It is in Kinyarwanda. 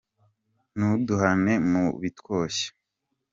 Ntuduhane mu bitwoshya